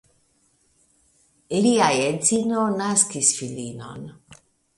Li edzino naskis filinon.